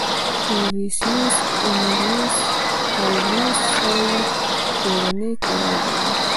لوسیوس امیلیوس پاولوس سره یې کورنی تړاو درلود